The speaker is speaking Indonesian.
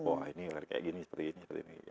wah ini kayak gini seperti ini seperti ini